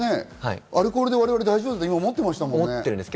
アルコールで大丈夫だと思ってましたもんね。